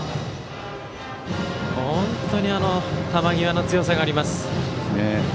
本当に球際の強さがあります。